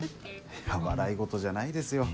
いや笑いごとじゃないですよ。